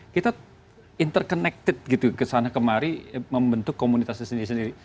kita interconnected gitu kesana kemari membentuk komunitasnya sendiri sendiri